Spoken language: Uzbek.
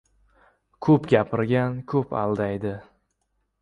• Ko‘p gapirgan ko‘p aldaydi.